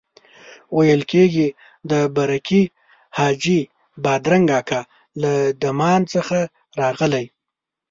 ویل کېږي د برکلي حاجي بادرنګ اکا له دمان څخه راغلی.